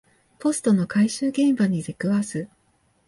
ポストの回収現場に出くわす